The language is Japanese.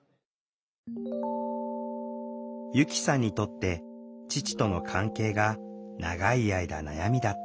由希さんにとって父との関係が長い間悩みだった。